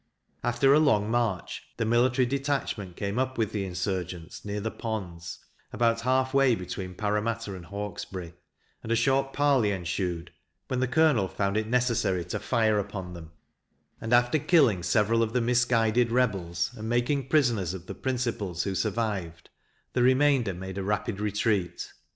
After a long march, the military detachment came up with the insurgents, near the Ponds, about half way between Parramatta and Hawkesbury, and a short parley ensued, when the Colonel found it necessary to fire upon them; and, after killing several of the misguided rebels, and making prisoners of the principals who survived, the remainder made a rapid retreat.